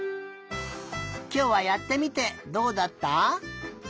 きょうはやってみてどうだった？